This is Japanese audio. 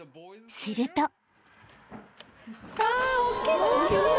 ［すると］